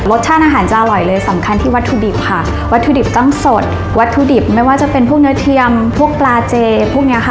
รสชาติอาหารจะอร่อยเลยสำคัญที่วัตถุดิบค่ะวัตถุดิบต้องสดวัตถุดิบไม่ว่าจะเป็นพวกเนื้อเทียมพวกปลาเจพวกเนี้ยค่ะ